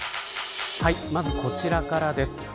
まずこちらからです。